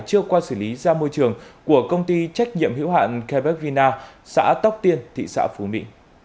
chưa qua xử lý ra môi trường của công ty trách nhiệm hữu hạn carberg vina xã tóc tiên thị xã phú mỹ